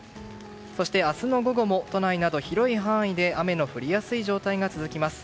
そして、明日の午後も都内など広い範囲で雨の降りやすい状態が続きます。